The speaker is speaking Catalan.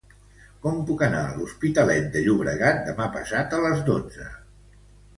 Com puc anar a l'Hospitalet de Llobregat demà passat a les dotze?